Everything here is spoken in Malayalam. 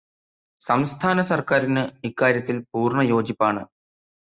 സംസ്ഥാന സർക്കാരിന് ഇക്കാര്യത്തിൽ പൂർണ യോജിപ്പാണ്.